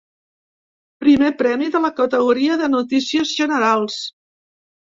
Primer premi de la categoria de notícies generals.